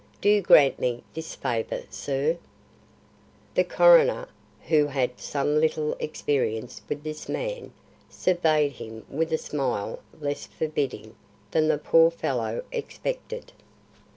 Do grant me this favour, sir." The coroner, who had had some little experience with this man, surveyed him with a smile less forbidding than the poor fellow expected.